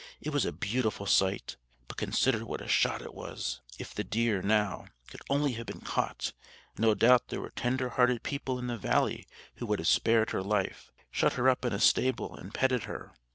It was a beautiful sight. But consider what a shot it was! If the deer, now, could only have been caught! No doubt there were tender hearted people in the valley who would have spared her life, shut her up in a stable, and petted her.